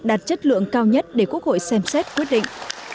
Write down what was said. đạt chất lượng cao nhất để quốc hội xem xét quyết định